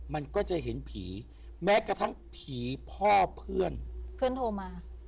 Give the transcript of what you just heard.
มันก็จะเห็นผีแม้กระทั่งผีพ่อเพื่อนเพื่อนโทรมา